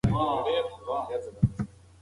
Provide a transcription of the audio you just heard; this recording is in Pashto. لمر د ژوند لپاره رڼا او تودوخه ورکوي.